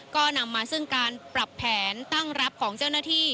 ก็นำมาซึ่งการปรับแผนตั้งรับของเจ้าหน้าที่